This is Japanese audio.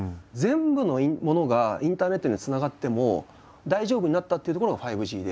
全部のものがインターネットにつながっても大丈夫になったっていうところが５Ｇで。